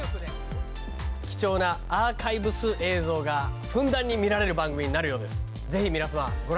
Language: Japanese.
貴重なアーカイブス映像がふんだんに見られる番組になるようです。